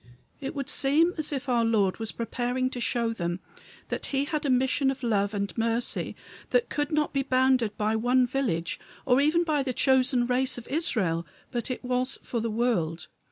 It would seem as if our Lord was preparing to show them that he had a mission of love and mercy that could not be bounded by one village, or even by the chosen race of Israel, but was for the world.